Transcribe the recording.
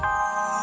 kita ke rumah